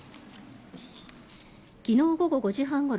昨日午後５時半ごろ